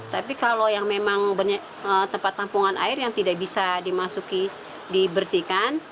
tapi kalau yang memang tempat tampungan air yang tidak bisa dimasuki dibersihkan